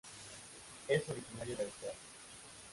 Es originario de Australia.